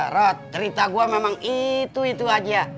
rat cerita gua memang itu itu aja